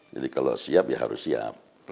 jadi kalau siap ya harus siap